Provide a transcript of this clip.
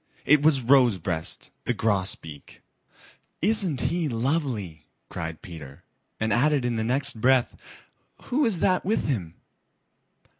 It was Rosebreast the Grosbeak. "Isn't he lovely!"' cried Peter, and added in the next breath, "Who is that with him?"